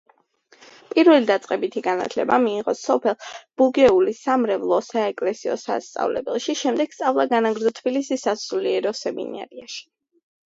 პირველდაწყებითი განათლება მიიღო სოფელ ბუგეულის სამრევლო-საეკლესიო სასწავლებელში, შემდეგ სწავლა განაგრძო თბილისის სასულიერო სემინარიაში.